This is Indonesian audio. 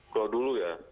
kalau dulu ya